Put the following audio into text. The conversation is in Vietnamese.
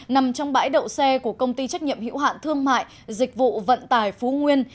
nằm trong bãi đậu xe của công ty trách nhiệm hữu hạn thương mại dịch vụ vận tải phú nguyên